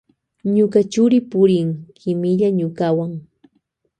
Ñuka churi purin kimilla ñukawan.